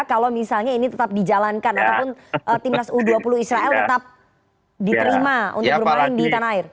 kalau misalnya ini tetap dijalankan ataupun timnas u dua puluh israel tetap diterima untuk bermain di tanah air